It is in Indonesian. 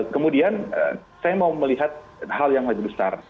kemudian saya mau melihat hal yang lebih besar